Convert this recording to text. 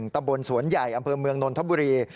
ตำบลสวนใหญ่อำเภอเมืองนนทบุรี